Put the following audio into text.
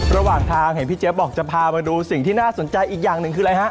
ระหว่างทางเห็นพี่เจี๊ยบอกจะพามาดูสิ่งที่น่าสนใจอีกอย่างหนึ่งคืออะไรฮะ